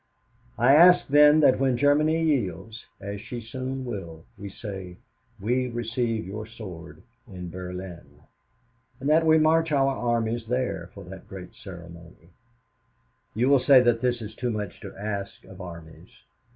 "'I ask, then, that when Germany yields as she soon will we say, "We receive your sword in Berlin." And that we march our armies there for that great ceremony. You will say that this is too much to ask of armies.